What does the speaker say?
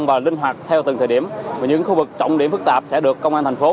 và linh hoạt theo từng thời điểm và những khu vực trọng điểm phức tạp sẽ được công an thành phố